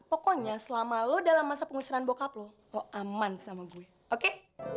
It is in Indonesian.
pokoknya selama lo dalam masa pengusiran bokap lo lo aman sama gue oke